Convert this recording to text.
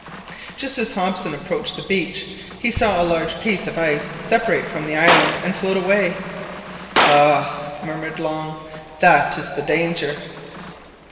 Just as Hobson approached the beach, he saw a large piece of ice separate from the island and float away! "Ah!" murmured Long, "that is the danger!"